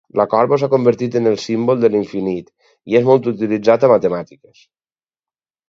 La corba s'ha convertit en el símbol de l'infinit i és molt utilitzat a matemàtiques.